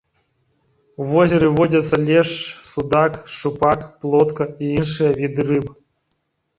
У возеры водзяцца лешч, судак, шчупак, плотка і іншыя віды рыб.